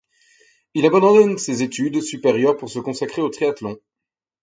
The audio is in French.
Il abandonne ses études supérieures pour se consacrer au triathlon.